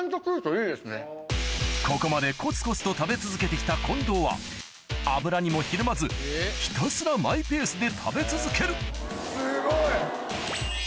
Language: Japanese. ここまでコツコツと食べ続けて来た近藤は脂にもひるまずひたすらマイペースで食べ続けるすごい！